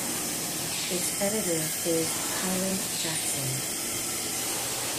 Its editor is Kyeland Jackson.